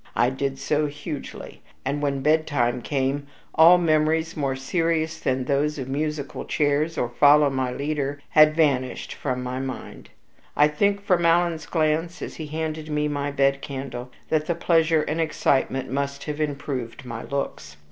I did so, hugely, and when bedtime came all memories more serious than those of "musical chairs" or "follow my leader" had vanished from my mind. I think, from Alan's glance as he handed me my bed candle, that the pleasure and excitement must have improved my looks.